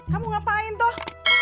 kamu ngapain tuh